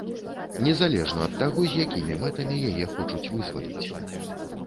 Незалежна ад таго, з якімі мэтамі яе хочуць вызваліць!